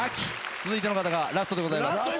続いての方がラストでございます。